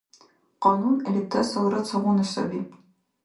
Кьанун лебтасалра цагъуна саби!